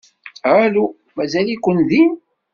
Alu? Mazal-iken din?